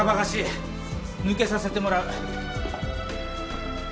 抜けさせてもらう。